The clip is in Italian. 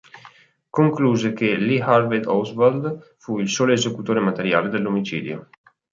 Concluse che Lee Harvey Oswald fu il solo esecutore materiale dell'omicidio.